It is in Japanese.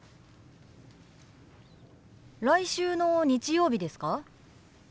来週の日曜日ですか？